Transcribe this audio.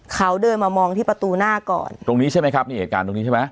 เขาเดินมามองที่ประตูหน้าก่อนตรงนี้ใช่ไหมครับนี่เหตุการณ์ตรงนี้ใช่ไหม